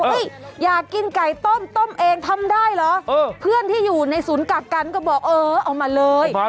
อยากกินไก่ต้มต้มเองทำได้เหรอเพื่อนที่อยู่ในศูนย์กักกันก็บอกเออเอามาเลย